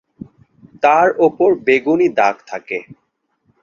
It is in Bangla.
তার ওপর বেগুনী দাগ থাকে।